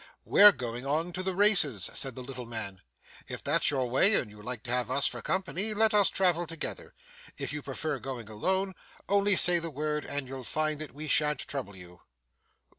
'We're going on to the races,' said the little man. 'If that's your way and you like to have us for company, let us travel together. If you prefer going alone, only say the word and you'll find that we shan't trouble you.